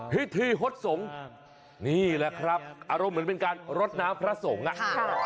พิธีฮดสงฆ์นี่แหละครับอารมณ์เหมือนเป็นการรดน้ำพระสงฆ์อ่ะค่ะ